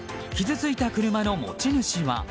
傷ついた車の持ち主は。